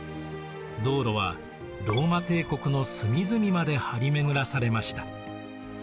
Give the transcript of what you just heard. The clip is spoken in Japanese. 道路はローマ帝国の隅々まで張り巡らされました。